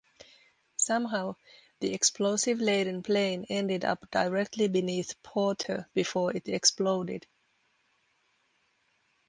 Somehow, the explosive-laden plane ended up directly beneath "Porter" before it exploded.